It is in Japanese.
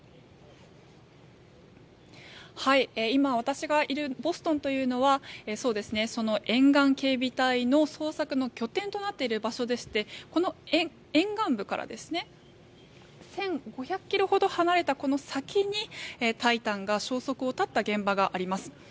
今、私がいるボストンというのは沿岸警備隊の捜索の拠点となっている場所でしてこの沿岸部から１５００ｋｍほど離れたこの先に「タイタン」が消息を絶った現場があります。